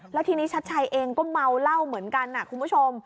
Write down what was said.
แล้วทีนี้ชัดชัยเองก็เมาเหล้าเหมือนกันนะคุณผู้ชม